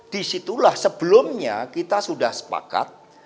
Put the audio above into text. disitulah sebelumnya kita sudah sepakat